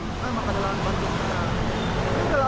emang tidak ada lahan parkir di dalam